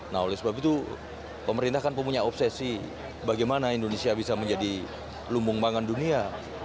nah oleh sebab itu pemerintah kan punya obsesi bagaimana indonesia bisa menjadi lumbung pangan dunia